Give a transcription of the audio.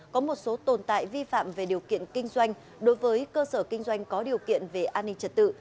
có một số tồn tại vi phạm về điều kiện kinh doanh đối với cơ sở kinh doanh có điều kiện về an ninh trật tự